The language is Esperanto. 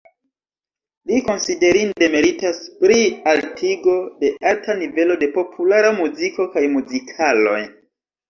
Li konsiderinde meritas pri altigo de arta nivelo de populara muziko kaj muzikaloj.